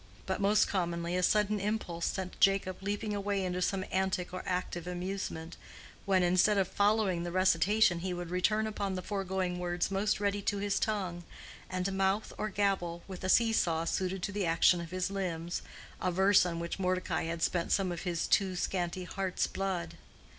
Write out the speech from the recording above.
But most commonly a sudden impulse sent Jacob leaping away into some antic or active amusement, when, instead of following the recitation he would return upon the foregoing words most ready to his tongue, and mouth or gabble, with a see saw suited to the action of his limbs, a verse on which Mordecai had spent some of his too scanty heart's blood.